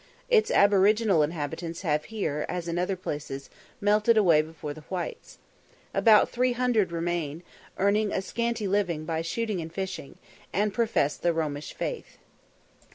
Its aboriginal inhabitants have here, as in other places, melted away before the whites. About three hundred remain, earning a scanty living by shooting and fishing, and profess the Romish faith.